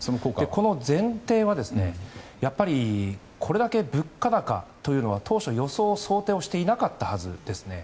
この前提はこれだけの物価高というのは当初、予想想定していなかったはずです。